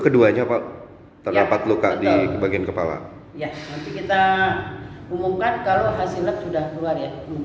keduanya pak terdapat luka di bagian kepala ya nanti kita umumkan kalau hasilnya sudah keluar ya